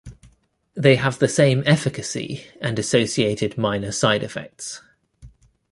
They have the same efficacy and associated minor side-effects.